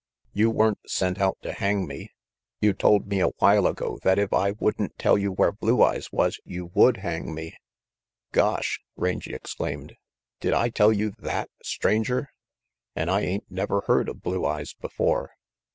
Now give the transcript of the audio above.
You weren't sent out to hang me. You told me a while ago that if I wouldn't tell you where Blue Eyes was, you would hang me "Gosh!" Rangy exclaimed, "did I tell you that, Stranger? An' I ain't never heard of Blue Eyes before.